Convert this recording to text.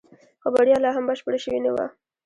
خو بريا لا هم بشپړه شوې نه وه.